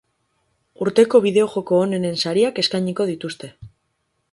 Urteko bideojoko onenen sariak eskainiko dituzte.